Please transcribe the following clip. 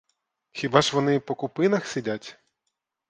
Хіба ж вони по купинах сидять?